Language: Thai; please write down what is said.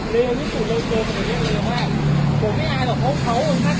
ผมไม่อาจจะพ่นเขา